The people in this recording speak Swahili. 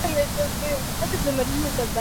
Malaria ni ugonjwa unaoweza kuua